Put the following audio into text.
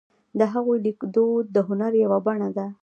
د هغوی لیکدود د هنر یوه بڼه ده.